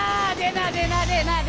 なでなでなで。